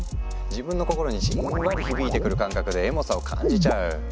自分の心にじんわり響いてくる感覚でエモさを感じちゃう。